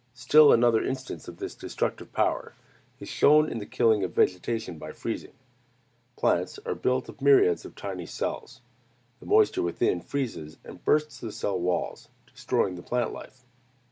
Still another instance of this destructive power is shown in the killing of vegetation by freezing. Plants are built of myriads of tiny cells. The moisture within freezes and bursts the cell walls, destroying the plant life.